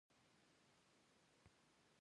د مخ د پوستکي د وچوالي لپاره د شاتو ماسک وکاروئ